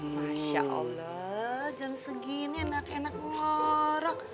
masya allah jam segini enak enak warah